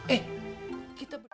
eh kita berdua